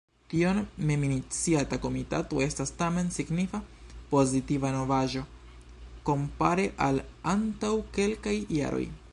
Tiom meminiciata Komitato estas tamen signifa pozitiva novaĵo kompare al antaŭ kelkaj jaroj.